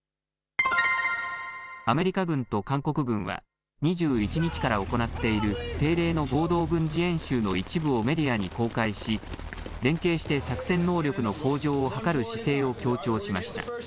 アメリカ軍と韓国軍は２１日から行っている定例の合同軍事演習の一部をメディアに公開し、連携して作戦能力の向上を図る姿勢を強調しました。